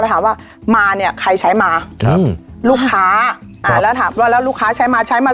ถามว่ามาเนี่ยใครใช้มาครับลูกค้าอ่าแล้วถามว่าแล้วลูกค้าใช้มาใช้มา